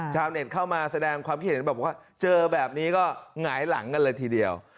เน็ตเข้ามาแสดงความคิดเห็นบอกว่าเจอแบบนี้ก็หงายหลังกันเลยทีเดียว